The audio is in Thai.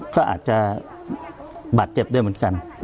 ก็อาจจะบาดเจ็บด้วยเหมือนกัน